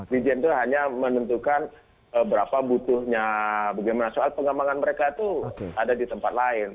dijen itu hanya menentukan berapa butuhnya bagaimana soal pengembangan mereka itu ada di tempat lain